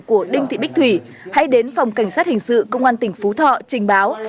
của đinh thị bích thủy hãy đến phòng cảnh sát hình sự công an tỉnh phú thọ trình báo